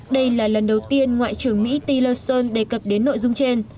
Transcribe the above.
đây là lần đầu tiên ngoại trưởng mỹ tillerson đề cập đến nội dung trên